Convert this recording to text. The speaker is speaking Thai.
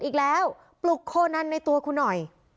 อีกแล้วปลุกโคนันในตัวคุณหน่อย